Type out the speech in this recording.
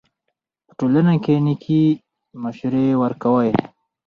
په ټولنه کښي نېکي مشورې ورکوئ!